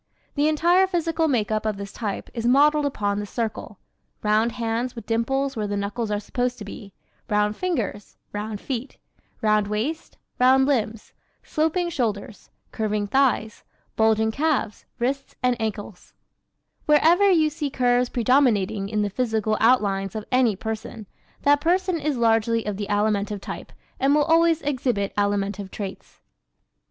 The entire physical makeup of this type is modeled upon the circle round hands with dimples where the knuckles are supposed to be; round fingers, round feet, round waist, round limbs, sloping shoulders, curving thighs, bulging calves, wrists and ankles. [Illustration: 2 Typical Alimentive face] Wherever you see curves predominating in the physical outlines of any person, that person is largely of the Alimentive type and will always exhibit alimentive traits.